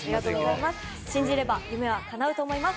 信じれば夢はかなうと思います。